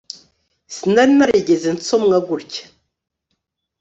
Sinari narigeze nsomwa gutya